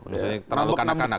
maksudnya terlalu kanak kanak